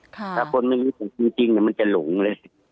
ถ้าคนไม่รู้สึกจริงมันจะหลงเลย